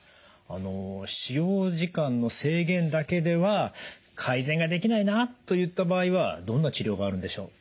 使用時間の制限だけでは改善ができないなといった場合はどんな治療があるんでしょう？